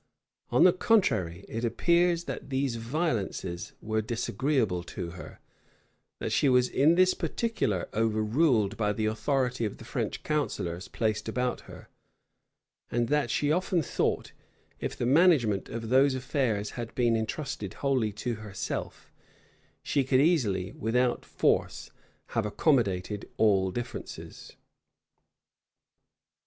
On the contrary, it appears that all these violences were disagreeable to her; that she was in this particular overruled by the authority of the French counsellors placed about her; and that she often thought, if the management of those affairs had been intrusted wholly to herself, she could easily, without force, have accommodated all differences.